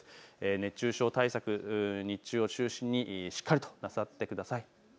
熱中症対策、日中を中心にしっかりとなさってください。